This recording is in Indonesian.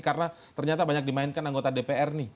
karena ternyata banyak dimainkan anggota dpr nih